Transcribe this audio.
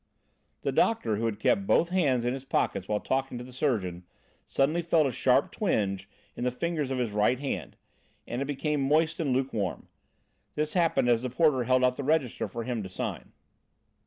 The doctor who had kept both hands in his pockets while talking to the porter, suddenly felt a sharp twinge in the fingers of his right hand, and it became moist and lukewarm. This happened as the porter held out the register for him to sign.